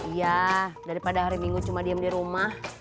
iya daripada hari minggu cuma diam di rumah